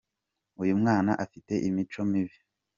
Uyu mwana afite imico mibi.